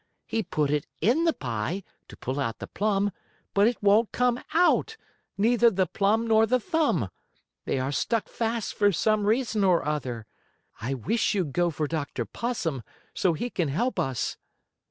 He put it in the pie, to pull out the plum, but it won't come out neither the plum nor the thumb. They are stuck fast for some reason or other. I wish you'd go for Dr. Possum, so he can help us."